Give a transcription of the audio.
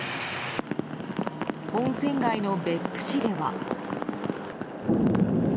温泉街の別府市では。